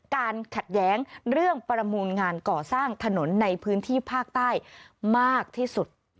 ขัดแย้งเรื่องประมูลงานก่อสร้างถนนในพื้นที่ภาคใต้มากที่สุด